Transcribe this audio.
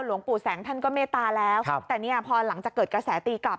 หลวงปู่แสงท่านก็เมตตาแล้วแต่เนี่ยพอหลังจากเกิดกระแสตีกลับ